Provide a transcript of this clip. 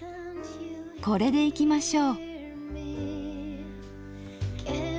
これでいきましょう。